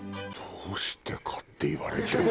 どうしてかって言われても。